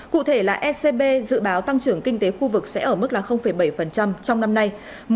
cụ thể là ecb dự báo tăng trưởng kinh tế khu vực sẽ ở mức bảy trong năm nay